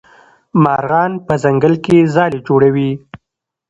مرغان په ځنګل کې ځالې جوړوي.